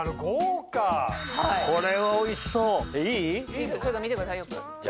いいですよちょっと見てくださいよく。